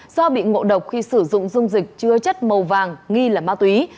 do bị ngộ độc khi sử dụng dung dịch chứa chất màu vàng nghi là ma túy